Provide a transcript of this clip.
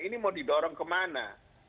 ini mau didorong ke mana